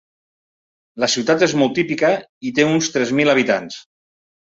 La ciutat és molt típica i té uns tres mil habitants.